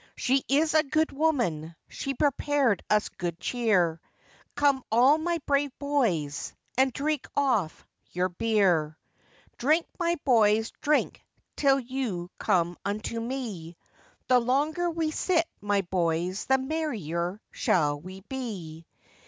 She is a good woman,— She prepared us good cheer; Come, all my brave boys, And drink off your beer. Drink, my boys, drink till you come unto me, The longer we sit, my boys, the merrier shall we be!